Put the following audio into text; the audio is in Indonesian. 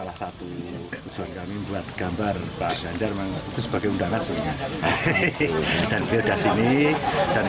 salah satu tujuan kami buat gambar ganjar itu sebagai undangan sebenarnya